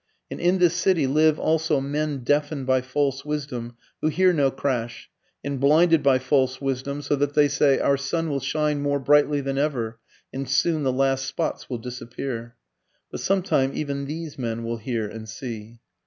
And in this city live also men deafened by false wisdom who hear no crash, and blinded by false wisdom, so that they say "our sun will shine more brightly than ever and soon the last spots will disappear." But sometime even these men will hear and see.